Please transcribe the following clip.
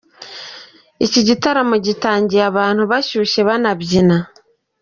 Iki gitaramo gitangiye abantu bashyushye banabyina.